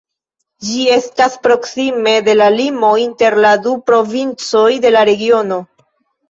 Ĝi estas proksime de la limo inter la du provincoj de la regiono.